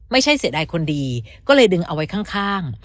เสียดายคนดีก็เลยดึงเอาไว้ข้าง